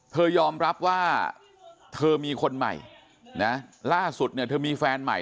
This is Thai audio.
เธอยอมรับว่าเธอมีคนใหม่นะล่าสุดเนี่ยเธอมีแฟนใหม่